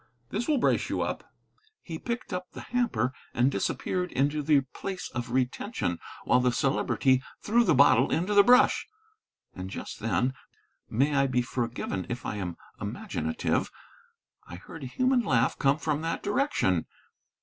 "This will brace you up." He picked up the hamper and disappeared into the place of retention, while the Celebrity threw the bottle into the brush. And just then (may I be forgiven if I am imaginative!) I heard a human laugh come from that direction.